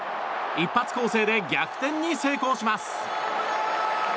一発攻勢で逆転に成功します。